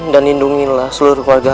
dan lindungilah seluruh keluarga